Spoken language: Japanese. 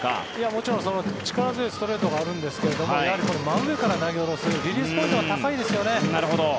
もちろん力強いストレートがあるんですけどやはり真上から投げ下ろすリリースポイントが高いですよね。